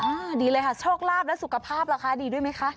ดีเลยค่ะโชคลาภและสุขภาพราคาดีด้วยไหมคะ